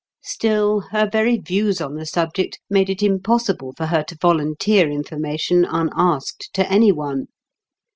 Still, her very views on the subject made it impossible for her to volunteer information unasked to any one.